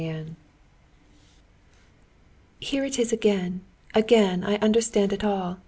Chapter 30 "Here it is again! Again I understand it all!"